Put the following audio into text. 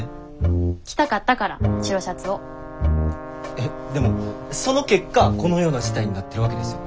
えっでもその結果このような事態になってるわけですよね。